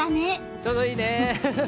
ちょうどいいね。